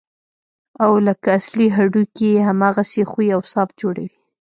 او لکه اصلي هډوکي يې هماغسې ښوى او صاف جوړوي.